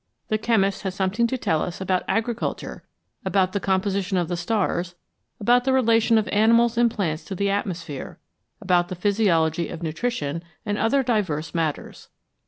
The chemist has something to tell us about agriculture, about the composition of the stars, about the relation of animals and plants to the atmosphere, about the physio logy of nutrition, and other diverse matters.